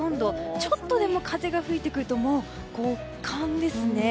ちょっとでも風が吹いてくるともう極寒ですね。